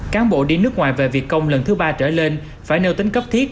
cán bộ đi nước ngoài về việc công lần thứ ba trở lên phải nêu tính cấp thiết